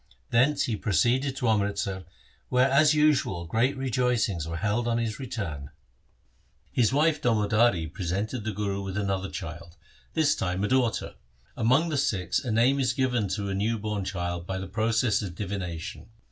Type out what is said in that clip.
Thence he proceeded to Amritsar where as usual great rejoicings were held on his return. His wife Damodari presented the Guru with another child, this time a daughter. Among the Sikhs a name is given to a new born child by a process of divination.